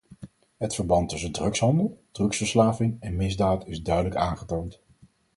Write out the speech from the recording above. Het verband tussen drugshandel, drugsverslaving en misdaad is duidelijk aangetoond.